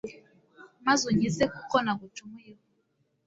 maze unkize kuko nagucumuyeho»